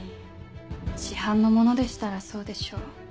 市販のものでしたらそうでしょう。